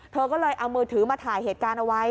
เธอก็เลยเอามือถือมาถ่ายเหตุการณ์เอาไว้